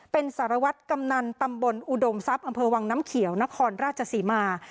เป็นสารวัตรกำนันตำบลอุดมทรัพย์อำเภอวังน้ำเขียวนครราชศรีมา